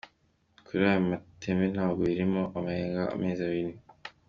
Kuri ariya mateme ntabwo imirimo yarenga amezi abiri.